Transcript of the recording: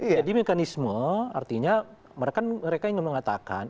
jadi mekanisme artinya mereka ingin mengatakan